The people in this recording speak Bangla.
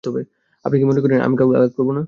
আপনি কি মনে করেন আমি কাউকে আঘাত করবো না?